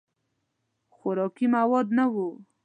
خوراکي مواد نه وو.